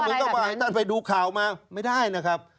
เหมือนกับว่าให้ท่านไปดูข่าวมาไม่ได้นะครับ